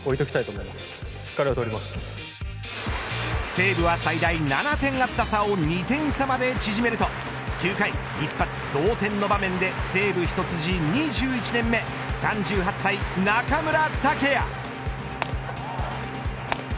西武は最大７点あった差を２点差まで縮めると９回、一発同点の場面で西武一筋２１年目３８歳、中村剛也。